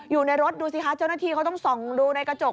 อยู่ในรถดูสิคะเจ้าหน้าที่เขาต้องส่องดูในกระจก